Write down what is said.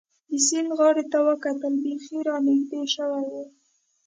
د سیند غاړې ته وکتل، بېخي را نږدې شوي و.